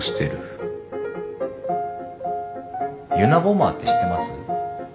ユナボマーって知ってます？